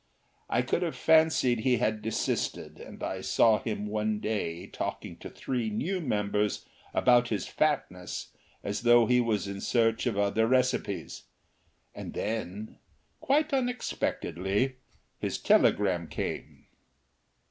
I could have fancied he had desisted, and I saw him one day talking to three new members about his fatness as though he was in search of other recipes. And then, quite unexpectedly, his telegram came.